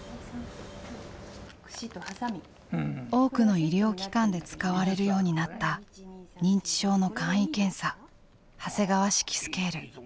多くの医療機関で使われるようになった認知症の簡易検査「長谷川式スケール」。